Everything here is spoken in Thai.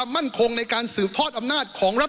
เพื่อความมั่นคงในการสืบทอดอำนาจของรัฐบาล